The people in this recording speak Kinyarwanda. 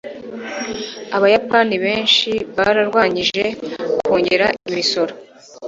Abayapani benshi barwanyije kongera imisoro.